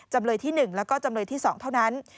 จำเลยที่๑แล้วก็จำเลยที่๒เท่านั้น